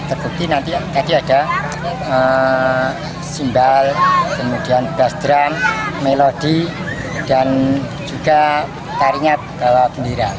terbukti nanti tadi ada simbal kemudian belas drum melodi dan juga tarinya bawa bendera